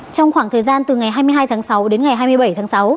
trong khoảng thời gian từ ngày hai mươi hai tháng sáu đến ngày hai mươi bảy tháng sáu